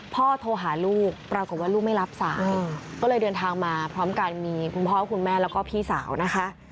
โทรหาลูกปรากฏว่าลูกไม่รับสายก็เลยเดินทางมาพร้อมกันมีคุณพ่อคุณแม่แล้วก็พี่สาวนะคะ